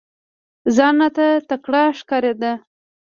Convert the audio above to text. ځان راته تکړه ښکارېدی !